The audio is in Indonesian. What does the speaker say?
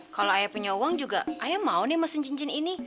kalau ayah punya uang juga ayah mau nih mesin cincin ini